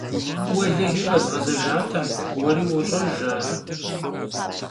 Vuelehi, khezğezejjatem, vueri vuoş'ejj ar.